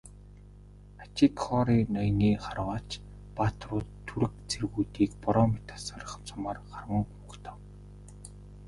Ачигхори ноёны харваач баатрууд түрэг цэргүүдийг бороо мэт асгарах сумаар харван угтав.